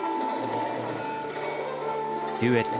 デュエット